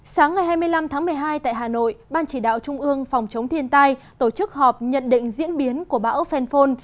sáng ngày hai mươi năm tháng một mươi hai tại hà nội ban chỉ đạo trung ương phòng chống thiên tai tổ chức họp nhận định diễn biến của bão phanphone